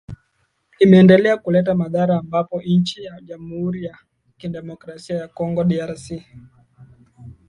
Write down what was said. imendelea kuleta madhara ambapo nchi ya jamhuri ya kidemokrasia ya congo drc